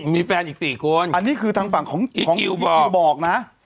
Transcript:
มีแฟนอีกสี่คนอันนี้คือทางฝั่งของอีกคิวบอกนะ